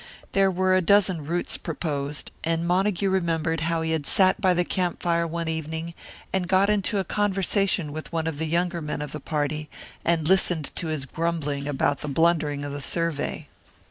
There were a dozen routes proposed, and Montague remembered how he had sat by the campfire one evening, and got into conversation with one of the younger men of the party, and listened to his grumbling about the blundering of the survey.